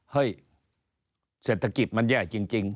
เฮ้ยเศรษฐกิจมันแย่จริง